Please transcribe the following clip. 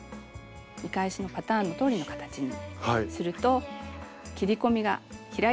見返しのパターンのとおりの形にすると切り込みが開いてくれます。